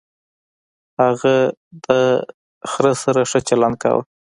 هغه د خر سره ښه چلند کاوه.